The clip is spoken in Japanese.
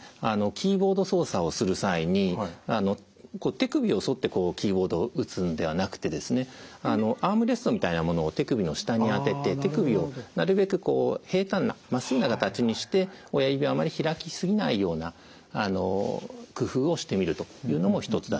キーボード操作をする際に手首を反ってキーボードを打つんではなくてアームレストみたいなものを手首の下に当てて手首をなるべく平たんなまっすぐな形にして親指をあまり開き過ぎないような工夫をしてみるというのも一つだと思います。